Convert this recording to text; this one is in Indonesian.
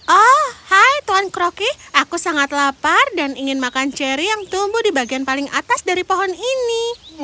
oh hai tuan crocky aku sangat lapar dan ingin makan ceri yang tumbuh di bagian paling atas dari pohon ini